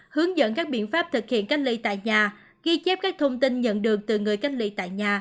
hướng dẫn các biện pháp thực hiện cách ly tại nhà ghi chép các thông tin nhận được từ người cách ly tại nhà